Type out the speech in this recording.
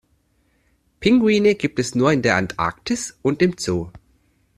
Pinguine gibt es nur in der Antarktis und im Zoo.